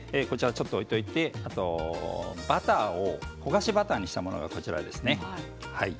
ちょっと置いておいてバターを焦がしバターにしたものがこちらですね。